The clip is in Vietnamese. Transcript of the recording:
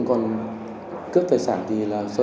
còn cướp tài sản thì sơ là người khởi xướng